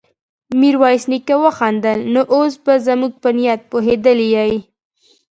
ميرويس نيکه وخندل: نو اوس به زموږ په نيت پوهېدلی يې؟